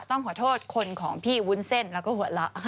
ต้องขอโทษคนของพี่วุ้นเส้นแล้วก็หัวเราะ